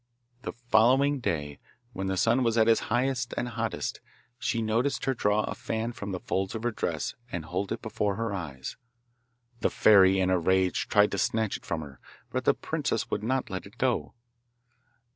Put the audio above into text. The following day, when the sun was at its highest and hottest, she noticed her draw a fan from the folds of her dress and hold it before her eyes. The fairy, in a rage, tried to snatch it from her, but the princess would not let it go.